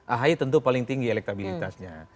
ahi tentu paling tinggi elektabilitasnya